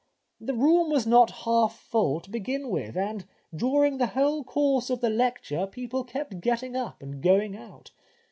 The room was not half full to begin with, and during the whole course of the lecture people kept getting up and going out.